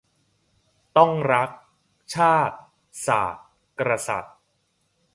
ต้องรัก ชาติ ศาสน์ กษัตริย์